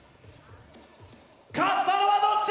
勝ったのはどっち？